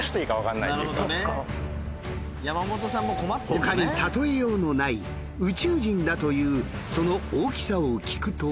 ほかに例えようのない宇宙人だというその大きさを聞くと。